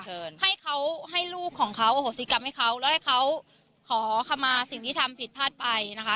ให้เขาให้ลูกของเขาโอโหสิกรรมให้เขาแล้วให้เขาขอคำมาสิ่งที่ทำผิดพลาดไปนะคะ